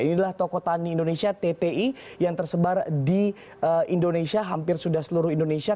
ini adalah toko tani indonesia tti yang tersebar di indonesia hampir sudah seluruh indonesia